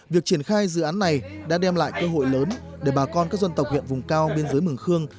việc triển khai dự án này đã đem lại cơ hội lớn để bà con các dân tộc huyện vùng cao biên giới mường khương